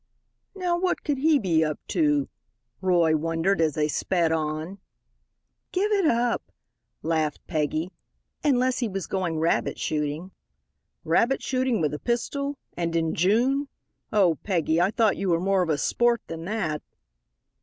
"Now, what could he be up to?" Roy wondered as they sped on. "Give it up," laughed Peggy, "unless he was going rabbit shooting." "Rabbit shooting with a pistol and in June oh, Peggy, I thought you were more of a sport than that."